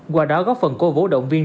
qua đó góp phần cô vỗ động viên